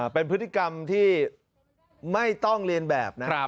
เป็นพฤติกรรมที่ไม่ต้องเรียนแบบนะ